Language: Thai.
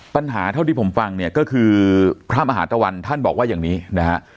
ปัญหาเท่าที่ผมฟังเนี่ยก็คือพระมหาตะวันท่านบอกว่าอย่างนี้นะฮะ